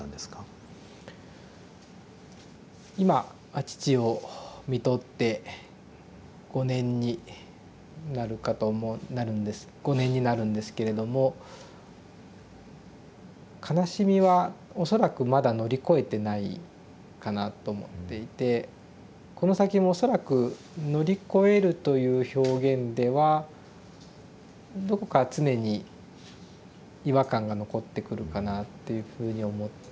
今父をみとって５年になるかと思うなるんです５年になるんですけれども悲しみは恐らくまだ乗り越えてないかなと思っていてこの先も恐らく「乗り越える」という表現ではどこか常に違和感が残ってくるかなっていうふうに思っています。